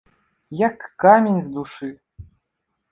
Як камень з душы!